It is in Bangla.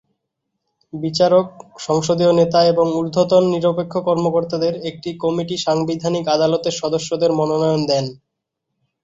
বিচারক, সংসদীয় নেতা এবং ঊর্ধ্বতন নিরপেক্ষ কর্মকর্তাদের একটি কমিটি সাংবিধানিক আদালতের সদস্যদের মনোনয়ন দেন।